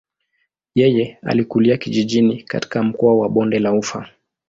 Yeye alikulia kijijini katika mkoa wa bonde la ufa.